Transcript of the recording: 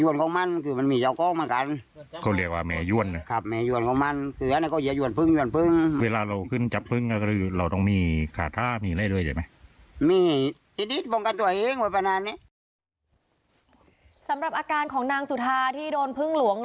สำหรับอาการของนางสุธาที่โดนพึ่งหลวง